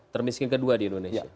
termiskin kedua di indonesia